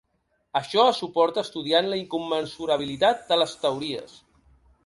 Això es suporta estudiant la incommensurabilitat de les teories.